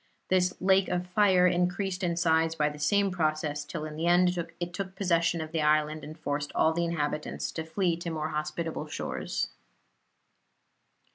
This lake of fire increased in size by the same process till in the end it took possession of the island and forced all the inhabitants to flee to more hospitable shores.